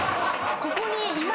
ここに。